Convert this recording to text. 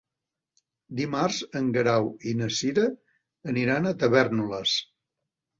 Dimarts en Guerau i na Cira aniran a Tavèrnoles.